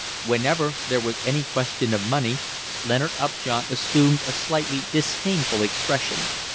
Whenever there was any question of money, Leonard Upjohn assumed a slightly disdainful expression.